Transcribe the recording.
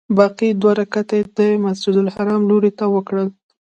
باقي دوه رکعته یې د مسجدالحرام لوري ته وکړل.